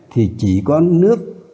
thì chỉ có nước